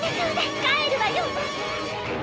帰るわよ！